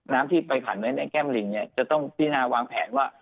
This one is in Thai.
น้ำที่ไปผ่านไว้ในแก้มลิงเนี่ยจะต้องพินาวางแผนว่า